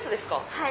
はい。